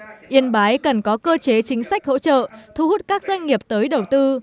tuy nhiên yên bái cần có cơ chế chính sách hỗ trợ thu hút các doanh nghiệp tới đầu tư